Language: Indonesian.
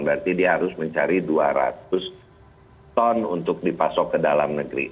berarti dia harus mencari dua ratus ton untuk dipasok ke dalam negeri